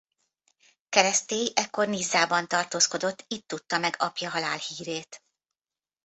Keresztély ekkor Nizzában tartózkodott itt tudta meg apja halálhírét.